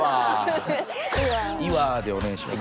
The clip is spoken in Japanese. イワァでお願いします。